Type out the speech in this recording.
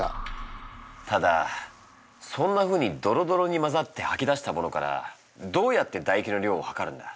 ただそんなふうにドロドロにまざってはき出したものからどうやってだ液の量を測るんだ？